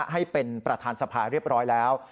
ให้เป็นประธานสภาเรียบร้อยแล้ว